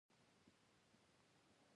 لنډه دا چې هره ورځ یو نفر زخمي کیږي.